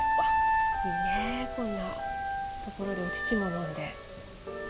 いいね、こんな所でお乳も飲んで。